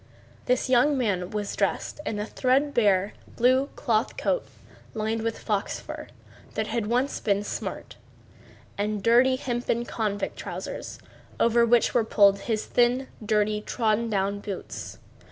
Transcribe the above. This young man was dressed in a threadbare blue cloth coat lined with fox fur, that had once been smart, and dirty hempen convict trousers, over which were pulled his thin, dirty, trodden down boots.